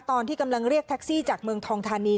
ตอนที่กำลังเรียกแท็กซี่จากเมืองทองธานี